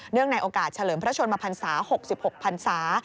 เนื่องในโอกาสเฉลิมพระชนมภันษา๖๖ภันษา